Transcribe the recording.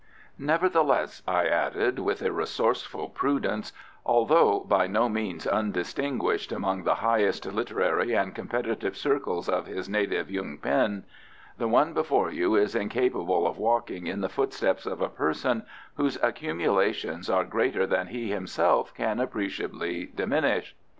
"Nevertheless," I added, with a resourceful prudence, "although by no means undistinguished among the highest literary and competitive circles of his native Yuen ping, the one before you is incapable of walking in the footsteps of a person whose accumulations are greater than he himself can appreciably diminish."